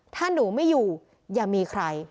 ถ้าหนูไม่อยู่อย่ามีใคร